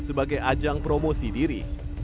sebagai ajang promosi diri